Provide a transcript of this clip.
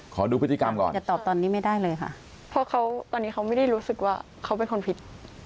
ขอดูพฤติกรรมก่อนอย่าตอบตอนนี้ไม่ได้เลยค่ะเพราะเขาตอนนี้เขาไม่ได้รู้สึกว่าเขาเป็นคนผิด